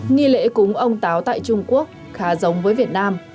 nghi lễ cúng ông táo tại trung quốc khá giống với việt nam